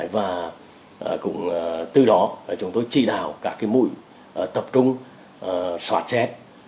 và cũng từ đó chúng tôi trị đào cả cái mũi tập trung soát chết